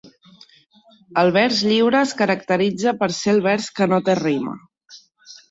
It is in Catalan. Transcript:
El vers lliure es caracteritza per ser el vers que no té rima.